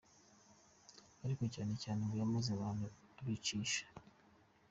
Ariko cyane cyane ngo yamaze abantu abicisha.